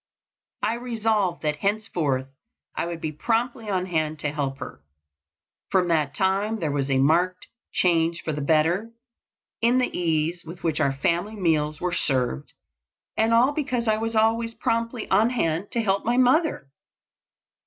I resolved that henceforth I would be promptly on hand to help her. From that time there was a marked change for the better in the ease with which our family meals were served, and all because I was always promptly on hand to help my mother.